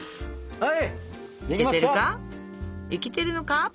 はい！